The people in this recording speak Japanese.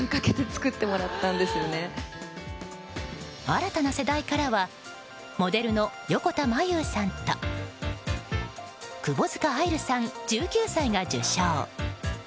新たな世代からはモデルの横田真悠さんと窪塚愛流さん、１９歳が受賞。